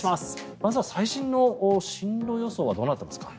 まずは最新の進路予想はどうなっていますか？